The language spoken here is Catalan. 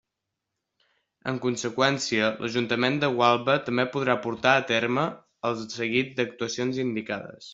En conseqüència, l'Ajuntament de Gualba també podrà porta a terme el seguit d'actuacions indicades.